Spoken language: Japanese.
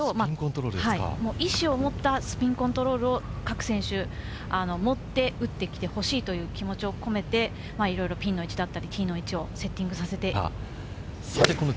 意思を持ったスピンコントロールを各選手、持って打って来てほしいという気持ちを込めて、いろいろピンの位置だったり、ティーの位置をセッティングさせていただきました。